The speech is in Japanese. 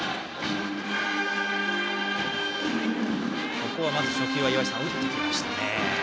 ここは初球打ってきましたね。